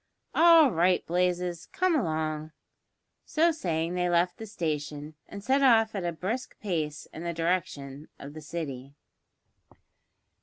"All right, Blazes, come along." So saying they left the station, and set off at a brisk pace in the direction of the City.